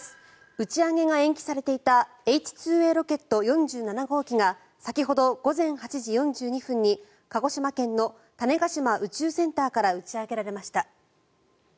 打ち上げが延期されていたＨ２Ａロケット４７号機が先ほど午前８時４２分に鹿児島県の種子島宇宙センターから打ち上げられました。